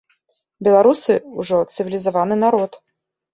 Беларусы ўжо цывілізаваны народ.